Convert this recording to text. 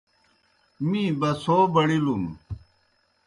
می بَڅَھو بڑِلُن۔